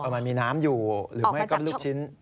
มันมีน้ำอยู่หรือไม่ก็ลูกชิ้น